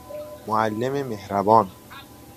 معلم مهربان